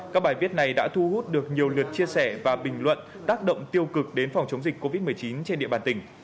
các bài viết này đã thu hút được nhiều lượt chia sẻ và bình luận tác động tiêu cực đến phòng chống dịch covid một mươi chín trên địa bàn tỉnh